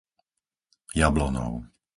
Jablonov